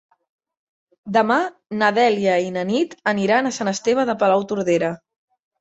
Demà na Dèlia i na Nit aniran a Sant Esteve de Palautordera.